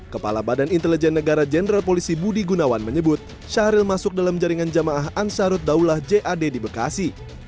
kepala badan intelijen negara jenderal polisi budi gunawan menyebut syahril masuk dalam jaringan jamaah ansarut daulah jad di bekasi